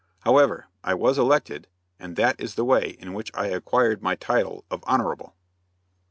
However, I was elected and that is the way in which I acquired my title of Honorable.